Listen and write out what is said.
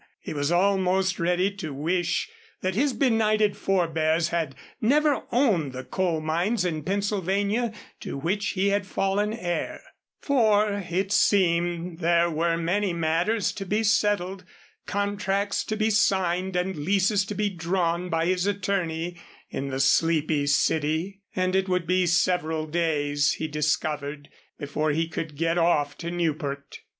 He was almost ready to wish that his benighted forbears had never owned the coal mines in Pennsylvania to which he had fallen heir, for it seemed there were many matters to be settled, contracts to be signed and leases to be drawn by his attorney in the sleepy city, and it would be several days, he discovered, before he could get off to Newport.